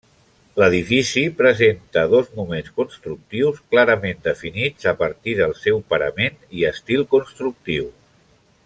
L'edifici presenta dos moments constructius clarament definits a partir del seu parament i estil constructiu.